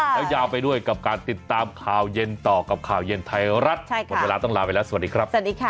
ไม่เม้นเลยหรอฮ่า